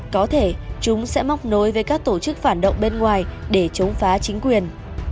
có thể chúng sẽ móc nối với các tổ chức phản động bên ngoài để chống phá chính quyền